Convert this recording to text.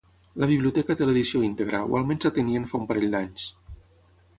La biblioteca té l'edició íntegra, o almenys la tenien fa un parell d'anys.